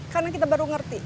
karena kita baru ngerti